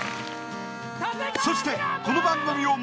そしてこの番組を。